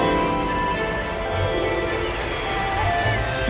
dia mencari siapa yang memainkan seruling yang indah ini